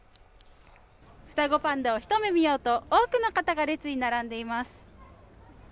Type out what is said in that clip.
双子パンダをひと目見ようと多くの方が列に並んでいます